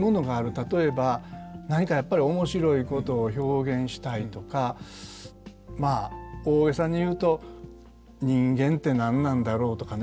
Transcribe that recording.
例えば何かやっぱり面白いことを表現したいとかまあ大げさに言うと「人間て何なんだろう？」とかね